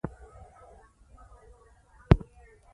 سلای فاکس بیا بوی وکړ او ځمکه یې په پنجو وښکوله